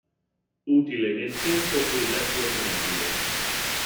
Utile nel tempo ed aggiornabile.